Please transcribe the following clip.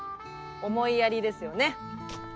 思いやりですよね。